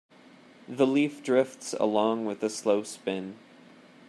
The leaf drifts along with a slow spin.